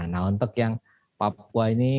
nah untuk yang papua ini